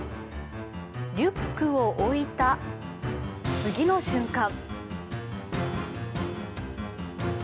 リュックを置いた次の瞬間。